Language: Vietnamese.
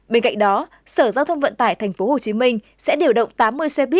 bên cạnh đó sở giao thông vận tải tp hcm sẽ điều động tàu